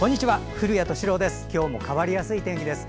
古谷敏郎です。